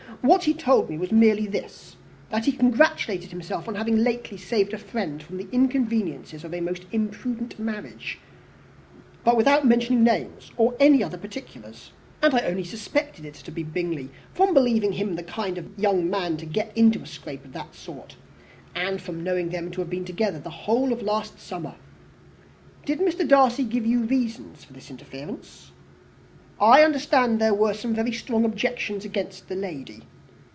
What he told me was merely this: that he congratulated himself on having lately saved a friend from the inconveniences of a most imprudent marriage, but without mentioning names or any other particulars; and I only suspected it to be Bingley from believing him the kind of young man to get into a scrape of that sort, and from knowing them to have been together the whole of last summer." "Did Mr. Darcy give you his reasons for this interference?" "I understood that there were some very strong objections against the lady."